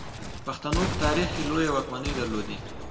پښتنو په تاریخ کې لویې واکمنۍ درلودې